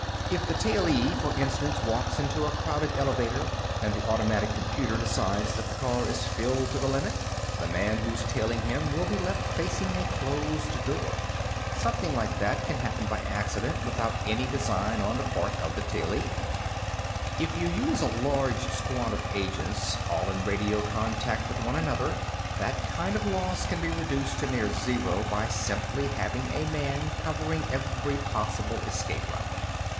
If the tailee, for instance, walks into a crowded elevator and the automatic computer decides that the car is filled to the limit, the man who's tailing him will be left facing a closed door. Something like that can happen by accident, without any design on the part of the tailee. If you use a large squad of agents, all in radio contact with one another, that kind of loss can be reduced to near zero by simply having a man covering every possible escape route.